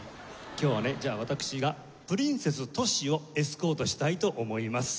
今日はねじゃあ私がプリンセスＴｏｓｈｌをエスコートしたいと思います。